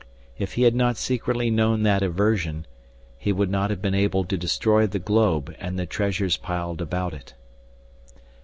If he had not secretly known that aversion, he would not have been able to destroy the globe and the treasures piled about it.